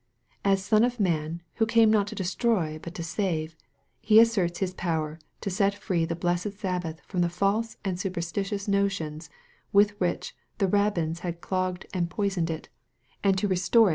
As Son of man, who came not to destroy but to save, He asserts His power to set free the blessed Sabbath from the false and superstitious notions with which the Rabbins had clagged and poisoned it, and to MARK, CHAP.